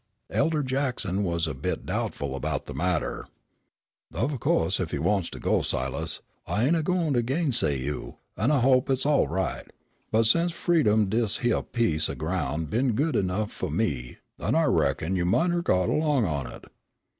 The elder Jackson was a bit doubtful about the matter. "Of co'se ef you wants to go, Silas, I ain't a gwine to gainsay you, an' I hope it's all right, but sence freedom dis hyeah piece o' groun's been good enough fu' me, an' I reckon you mought a' got erlong on it."